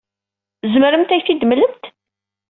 Tzemremt ad iyi-t-id-temlemt?